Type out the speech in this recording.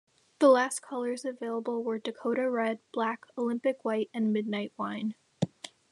The last colours available were Dakota Red, Black, Olympic White and Midnight Wine.